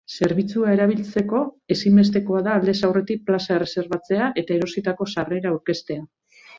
Zerbitzua erabiltzeko ezinbestekoa da aldez aurretik plaza erreserbatzea eta erositako sarrera aurkeztea.